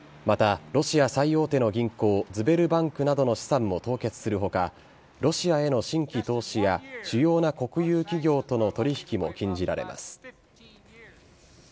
また、ロシア最大手の銀行ズベルバンクなどの資産も凍結する他ロシアへの新規投資や主要な国有企業との取引も禁じられます。